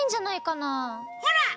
ほら！